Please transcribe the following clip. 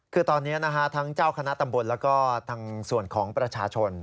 คือตอนนี้นะฮะทั้งเจ้าคณะตำบลแล้วก็ทางส่วนของประชาชน